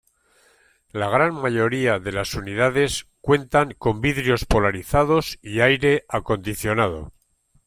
La gran mayoría de las unidades cuentan con vidrios polarizados y aire acondicionado.